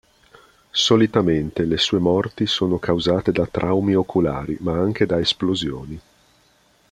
Solitamente le sue morti sono causate da traumi oculari, ma anche da esplosioni.